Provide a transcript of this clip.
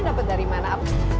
dapat dari mana